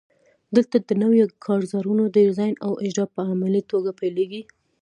دلته د نویو کارزارونو ډیزاین او اجرا په عملي توګه پیلیږي.